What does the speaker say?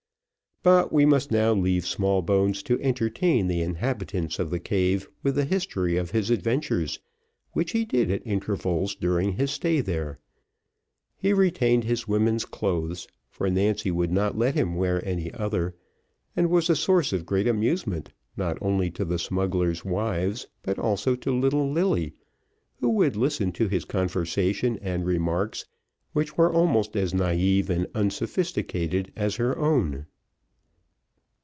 But we must now leave Smallbones to entertain the inhabitants of the cave with the history of his adventures, which he did at intervals, during his stay there. He retained his women's clothes, for Nancy would not let him wear any other, and was a source of great amusement not only to the smugglers' wives, but also to little Lilly, who would listen to his conversation and remarks which were almost as naive and unsophisticated as her own.